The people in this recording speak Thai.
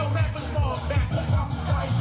วันต้องต้องปล่อย